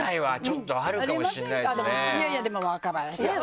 いやいやでも若林さんはない。